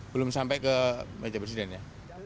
belum sampai ke meja presiden ya